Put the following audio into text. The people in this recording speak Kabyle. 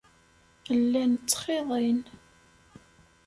Llan ttxiḍin.